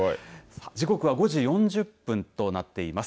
時刻は５時４０分となっています。